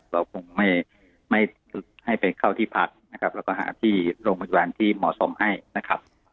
เราคงไม่ให้ไปเข้าที่พักนะครับแล้วก็หาที่โรงพยาบาลที่เหมาะสมให้นะครับ